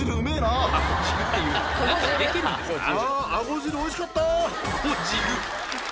「あぁアゴ汁おいしかった！」